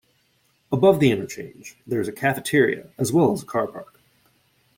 Above the interchange, there is a cafeteria as well as a car park.